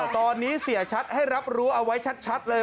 ตอนนี้เสียชัดให้รับรู้เอาไว้ชัดเลย